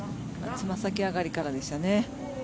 つま先上がりからでしたね。